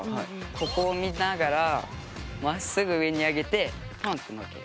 ここを見ながらまっすぐ上にあげてポンってのっける。